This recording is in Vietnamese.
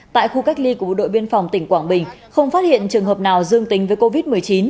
tại khu cách ly của bộ đội biên phòng tỉnh quảng bình không phát hiện trường hợp nào dương tính với covid một mươi chín